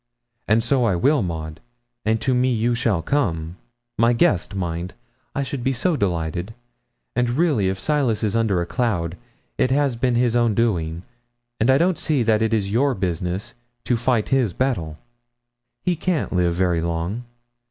And so I will, Maud, and to me you shall come my guest, mind I should be so delighted; and really if Silas is under a cloud, it has been his own doing, and I don't see that it is your business to fight his battle. He can't live very long.